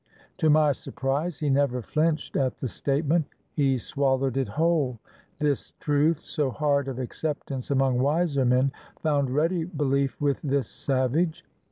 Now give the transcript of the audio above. To my surprise he never flinched at the statement, he swallowed it whole; this truth, so hard of acceptance among wiser men, found ready belief with this savage.